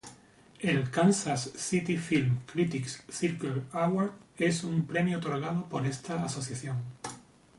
El Kansas City Film Critics Circle Award es un premio otorgado por esta asociación.